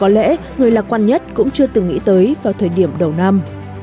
tổ ủy ban chứng khoán nhà nước cũng chưa từng nghĩ tới vào thời điểm đầu năm